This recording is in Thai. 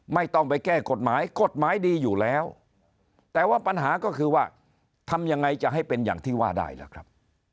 ไม่ต้องไปแก้กฎหมายกฎหมายกฎหมายดีอยู่แล้วแต่ว่าปัญหาก็คือว่าทำยังไงจะให้เป็นอย่างที่ว่าได้ล่ะครับ